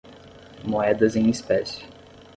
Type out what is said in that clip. Moedas em espécie